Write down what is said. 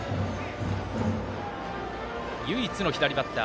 唯一の左バッター